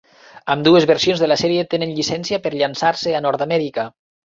Ambdues versions de la sèrie tenen llicència per llançar-se a Nord-Amèrica.